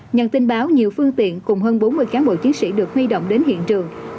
nhận tin báo nhiều phương tiện cùng hơn bốn mươi cán bộ chiến sĩ được huy động đến hiện trường